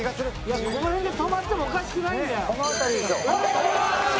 この辺で止まってもおかしくないんだよ。